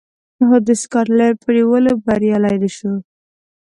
خو د سکاټلنډ په نیولو بریالی نه شو